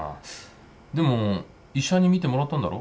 でも医者に診てもらったんだろ？